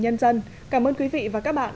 nhân dân cảm ơn quý vị và các bạn